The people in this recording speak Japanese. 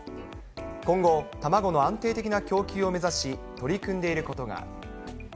今後、卵の安定的な供給を目指し、取り組んでいることが。